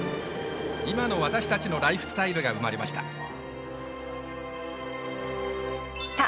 今の私たちのライフスタイルが生まれましたさあ